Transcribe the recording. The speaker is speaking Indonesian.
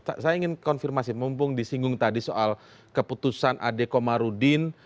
saya ingin konfirmasi mumpung disinggung tadi soal keputusan adekomarudin